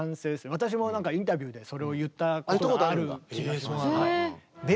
私もなんかインタビューでそれを言ったことがある気がします。